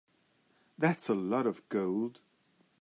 That's a lot of gold.